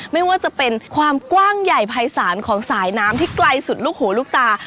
ไม่ว่าจะเป็นความกว้างใหญ่ภายศาลของสายน้ำที่ไกลสุดลูกหูลูกตา